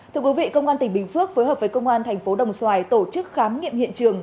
thưa quý vị công an tỉnh bình phước phối hợp với công an thành phố đồng xoài tổ chức khám nghiệm hiện trường